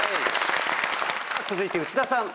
続いて内田さん。